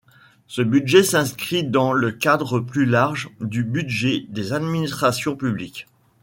Ce budget s’inscrit dans le cadre plus large du budget des administrations publiques.